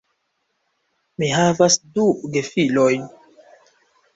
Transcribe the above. Mi havas du gefilojn.